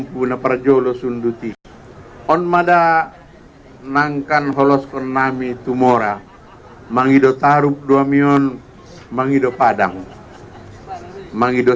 puna parjolo sunduti onmada nangkan holos konami tumora mengidotaruk doamion mengidot padang mengidot